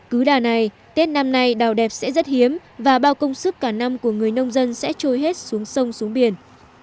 cứ đà này tết năm nay đào đẹp sẽ rất hiếm và bao công sức cả năm của người nông dân sẽ trôi hết xuống sông xuống biển